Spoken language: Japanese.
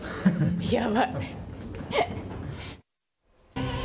やばい。